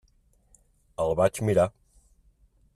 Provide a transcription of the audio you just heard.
El vaig mirar.